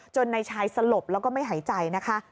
นายชายสลบแล้วก็ไม่หายใจนะคะ